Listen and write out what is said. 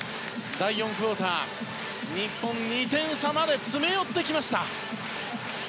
第４クオーター、日本２点差まで詰め寄ってきました。